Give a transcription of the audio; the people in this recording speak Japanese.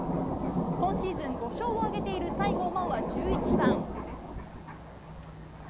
今シーズン５勝を挙げている西郷真央は１１番。